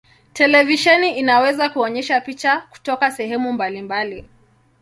Televisheni inaweza kuonyesha picha kutoka sehemu mbalimbali.